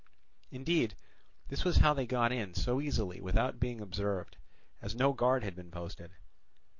Indeed this was how they got in so easily without being observed, as no guard had been posted.